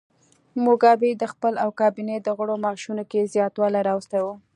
موګابي د خپل او کابینې د غړو معاشونو کې زیاتوالی راوستی و.